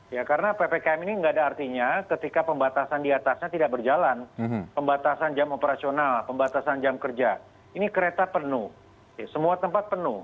ya karena ppkm ini nggak ada artinya ketika pembatasan diatasnya tidak berjalan pembatasan jam operasional pembatasan jam kerja ini kereta penuh semua tempat penuh